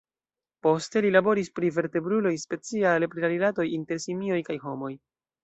Poste, li laboris pri vertebruloj, speciale pri la rilatoj inter simioj kaj homoj.